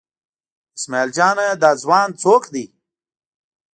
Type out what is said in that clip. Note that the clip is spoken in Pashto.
اسمعیل جانه دا ځوان څوک دی؟